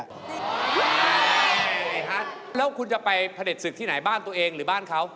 แล้วคุณจะไปหัวแจนสึกที่ไหนบ้านตัวเองหรือบ้านเขา